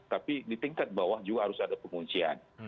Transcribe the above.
tapi di tingkat bawah juga harus ada penguncian